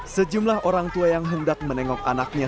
sejumlah orang tua yang hendak menengok anaknya